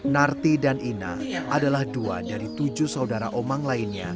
narti dan ina adalah dua dari tujuh saudara omang lainnya